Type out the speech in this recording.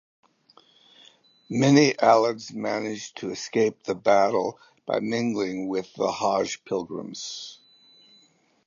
Many Alids managed to escape the battle by mingling with the Hajj pilgrims.